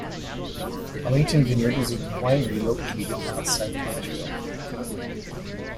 Arrington Vineyard is a winery located outside of Nashville.